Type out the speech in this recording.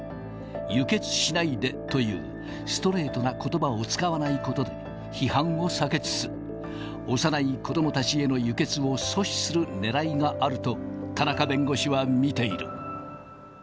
輸血しないでというストレートなことばを使わないことで、批判を避けつつ、幼い子どもたちへの輸血を阻止するねらいがあると、田中弁護士は見ている。